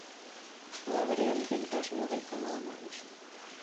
Udaberrian vintage moda izango da nagusi.